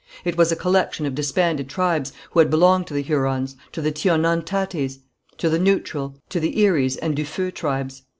It was a collection of disbanded tribes, who had belonged to the Hurons, to the Tionnontatés, to the Neutral, to the Eries and du Feu tribes.